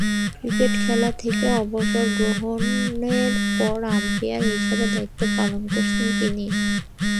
Cricket খেলা থেকে অবসর গ্রহণের পর আম্পায়ার হিসেবে দায়িত্ব পালন করেছেন তিনি।